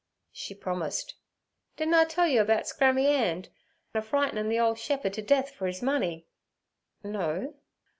She promised. 'Didn' I tell yer about Scrammy 'And a frightin' the ole shep'e'd t' death fer his money?' 'No.'